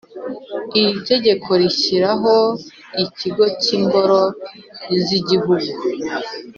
Iri tegeko rishyiraho Ikigo cy Ingoro z Igihugu